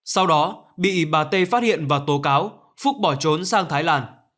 sau đó bị bà tê phát hiện và tố cáo phúc bỏ trốn sang thái lan